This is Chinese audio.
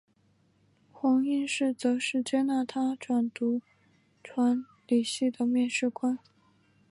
黄应士则是接纳他转读传理系的面试官。